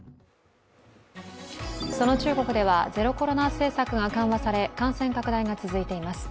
その中国ではゼロコロナ政策が緩和され感染拡大が続いています。